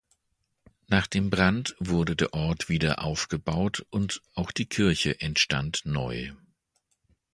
Nach dem Brand wurde der Ort wieder aufgebaut und auch die Kirche entstand neu.